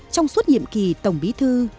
trong suốt nhiệm kỳ tổng bí thư